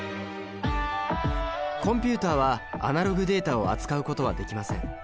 コンピュータはアナログデータを扱うことはできません。